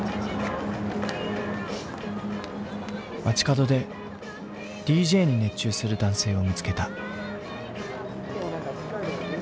街角でＤＪに熱中する男性を見つけた。